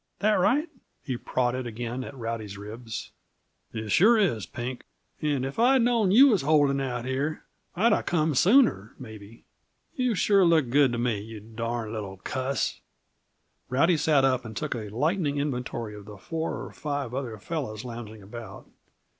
That right?" He prodded again at Rowdy's ribs. "It sure is, Pink. And if I'd known you was holding out here, I'd 'a' come sooner, maybe. You sure look good to me, you darned little cuss!" Rowdy sat up and took a lightning inventory of the four or five other fellows lounging about.